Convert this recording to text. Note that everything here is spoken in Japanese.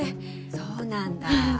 そうなんだ。